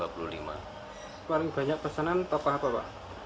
paling banyak pesanan tokoh apa pak